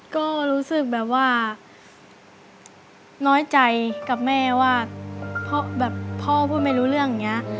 ก็รู้สึกแบบว่าน้อยใจกับแม่ว่าแบบพ่อพูดไม่รู้เรื่องอย่างนี้